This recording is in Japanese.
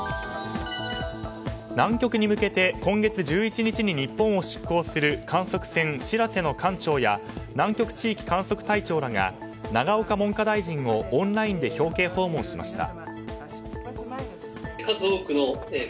南極に向けて今月１１日に日本を出港する観測船「しらせ」の艦長や南極地域観測隊長らが永岡文科大臣をオンラインで表敬訪問しました。